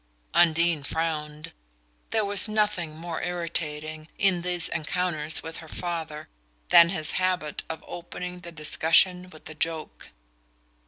Undine frowned: there was nothing more irritating, in these encounters with her father, than his habit of opening the discussion with a joke.